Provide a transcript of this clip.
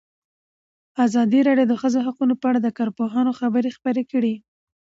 ازادي راډیو د د ښځو حقونه په اړه د کارپوهانو خبرې خپرې کړي.